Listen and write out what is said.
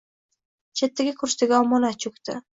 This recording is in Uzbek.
Chetdagi kursiga omonat cho‘kdi.